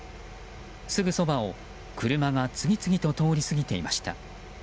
すぐそばを車が次々と通り過ぎていました。